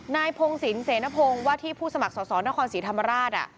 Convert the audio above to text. พงศิลปเสนพงศ์ว่าที่ผู้สมัครสอสอนครศรีธรรมราช